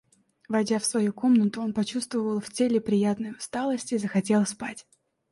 Войдя в свою комнату, он почувствовал в теле приятную усталость и захотел спать.